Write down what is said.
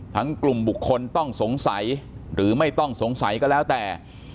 กลุ่มบุคคลต้องสงสัยหรือไม่ต้องสงสัยก็แล้วแต่